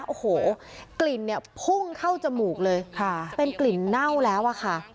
โอ้โหกลิ่นเนี่ยพุ่งเข้าจมูกเลยค่ะเป็นกลิ่นเน่าแล้วอะค่ะ